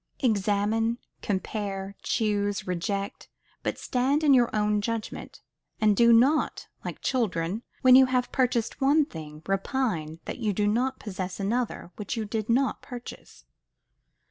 Examine, compare, choose, reject; but stand to your own judgment: and do not, like children, when you have purchased one thing, repine that you do not possess another which you did not purchase.